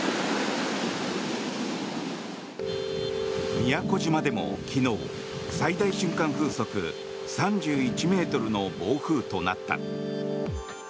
宮古島でも、昨日最大瞬間風速３１ｍの暴風となった。